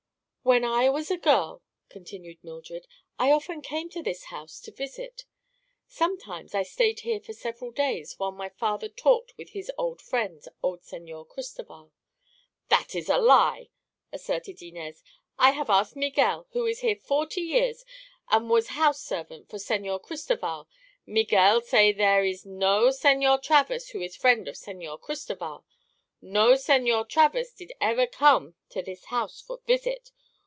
"When I was a girl," continued Mildred, "I often came to this house to visit. Sometimes I stayed here for several days, while my father talked with his old friend, old Señor Cristoval." "That is a lie," asserted Inez. "I have ask Miguel, who is here forty years, an' was house servant for Señor Cristoval. Miguel say there is no Señor Travers who is friend of Señor Cristoval. No Señor Travers did ever come to this house for visit.